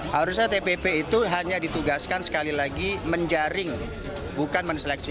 harusnya tpp itu hanya ditugaskan sekali lagi menjaring bukan menseleksi